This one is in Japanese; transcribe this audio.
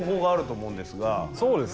そうです。